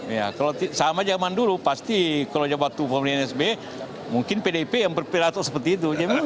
ya sama zaman dulu pasti kalau di jabat dulu pemerintah sby mungkin pdip yang berpidato seperti itu